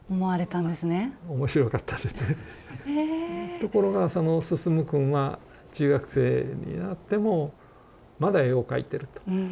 ところがその晋くんは中学生になってもまだ絵を描いてると。